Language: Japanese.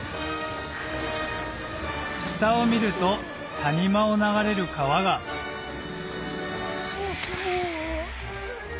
下を見ると谷間を流れる川がおぉ。